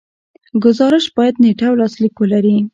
ګزارش باید نیټه او لاسلیک ولري.